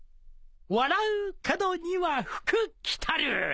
「笑う門には福来る」